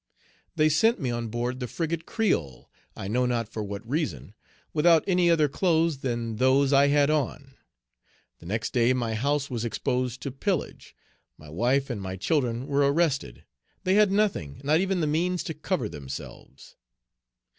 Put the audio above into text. They sent me on board the frigate Creole, I know not for what reason, without any other clothes than those I had on. The next day my house was exposed to Page 235 pillage; my wife and my children were arrested; they had nothing, not even the means to cover themselves.